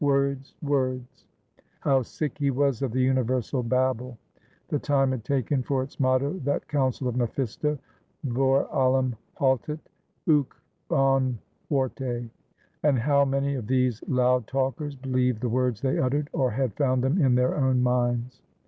Words, words! How sick he was of the universal babble! The time had taken for its motto that counsel of Mephisto: Vor allem haltet euch an Worte! And how many of these loud talkers believed the words they uttered, or had found them in their own minds?